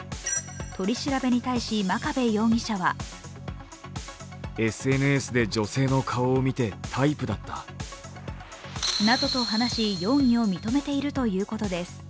取り調べに対し真壁容疑者はなどと話し、容疑を認めているということです。